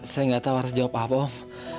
saya gak tahu harus jawab apa om